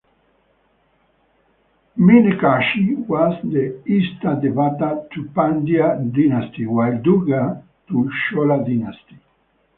Meenakshi was the Ista devata to Pandya dynasty while Durga to Chola dynasty.